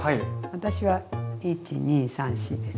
私は１２３４です。